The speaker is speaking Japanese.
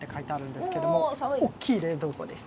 おっきい冷凍庫です。